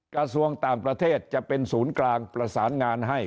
กระทรวงต่างประเทศจะเป็นศูนย์กลางประสานงานให้